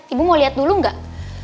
ibu mau lihat dulu nggak